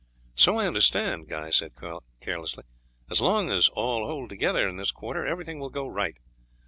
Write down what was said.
"So I understand," Guy said carelessly. "As long as all hold together in this quarter everything will go right.